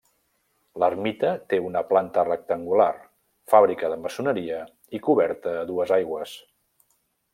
L'ermita té una planta rectangular, fàbrica de maçoneria i coberta a dues aigües.